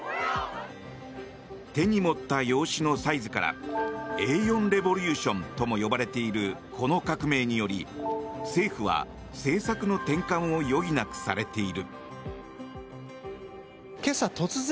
手に持った用紙のサイズからＡ４レボリューションとも呼ばれているこの革命により政府は政策の転換を余儀なくされている。